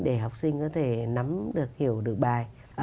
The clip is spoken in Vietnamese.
để học sinh có thể nắm được hiểu được bài